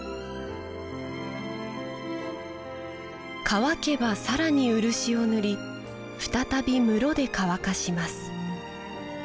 乾けば更に漆を塗り再び室で乾かします。